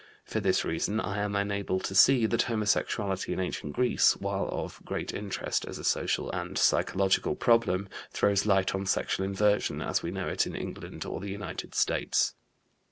For this reason I am unable to see that homosexuality in ancient Greece while of great interest as a social and psychological problem throws light on sexual inversion as we know it in England or the United States.